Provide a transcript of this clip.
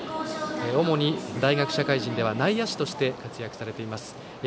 主に大学・社会人では内野手として活躍されています。